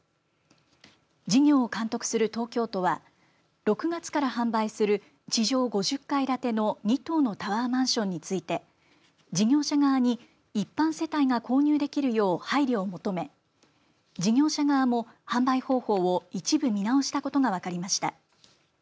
事業を監督する東京都は６月から販売する地上５０階建ての２棟のタワーマンションについて事業者側に一般世帯が購入できるよう配慮を求め事業者側も販売方法を一部見直したことが分かりました。